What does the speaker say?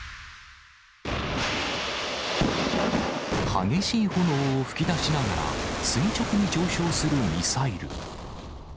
激しい炎を噴き出しながら垂直に上昇するミサイル。